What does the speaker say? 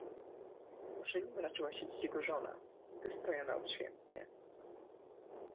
"Przy nim raczyła siedzieć jego żona, wystrojona odświętnie."